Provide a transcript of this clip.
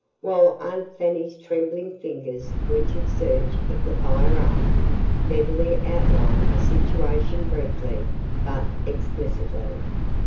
While Aunt Fanny's trembling fingers went in search of the firearm, Beverly outlined the situation briefly but explicitly.